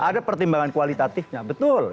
ada pertimbangan kualitatifnya betul